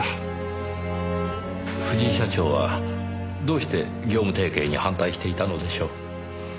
藤井社長はどうして業務提携に反対していたのでしょう？